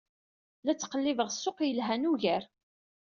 La ttqellibeɣ ssuq yelhan ugar.